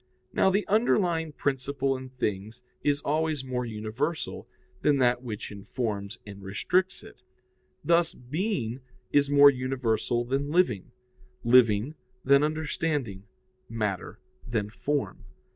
Now the underlying principle in things is always more universal than that which informs and restricts it; thus, being is more universal than living, living than understanding, matter than form.